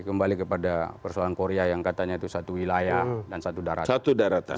kembali kepada persoalan korea yang katanya itu satu wilayah dan satu darat